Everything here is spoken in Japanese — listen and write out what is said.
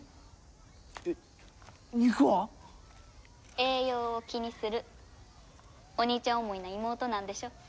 栄養を気にするお兄ちゃん思いな妹なんでしょ？